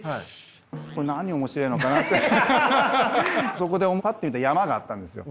そこでパッて見たら山があったんですよ。